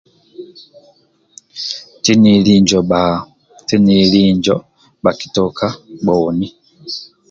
Tineli njo bba tineli njo bhakitoka bhhoni